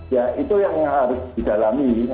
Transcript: ya itu yang harus didalami